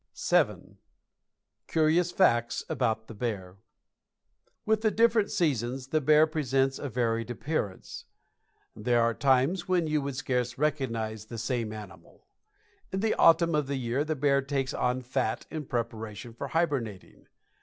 VII. CURIOUS FACTS ABOUT THE BEAR. With the different seasons the bear presents a varied appearance. There are times when you would scarce recognize the same animal. In the autumn of the year the bear takes on fat in preparation for hibernating.